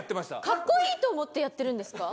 格好いいと思ってやってるんですか？